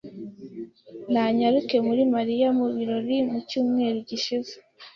Nanyarukiye muri Mariya mu birori mu cyumweru gishize.